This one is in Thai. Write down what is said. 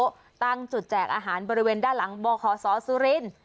เขาก็มาตั้งโต๊ะตั้งจุดแจกอาหารบริเวณด้านหลังบศซุรินทร์